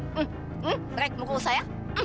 hmm rek mukul saya